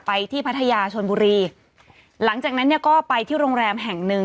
ที่พัทยาชนบุรีหลังจากนั้นเนี่ยก็ไปที่โรงแรมแห่งหนึ่ง